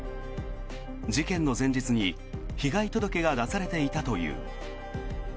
事件の前日に被害届が出されていたという。